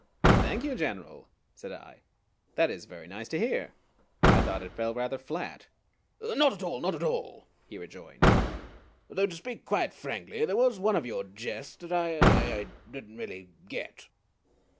"Thank you, General," said I. "That is very nice to hear. I thought it fell rather flat." "Not at all, not at all," he rejoined; "though, to speak quite frankly, there was one of your jests that I I I didn't really get.